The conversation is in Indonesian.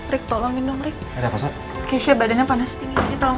rick tolong minum rick ada apa sok keisha badannya panas tinggi tolong